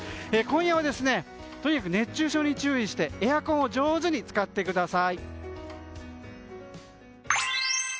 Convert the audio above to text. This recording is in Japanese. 今夜はとにかく熱中症に注意してエアコンを上手に使ってください。